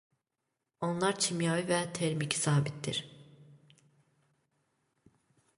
Onlar kimyəvi və termiki sabitdir.